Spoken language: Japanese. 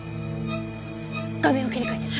画面を切り替えて。